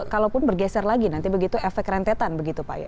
kalaupun bergeser lagi nanti begitu efek rentetan begitu pak ya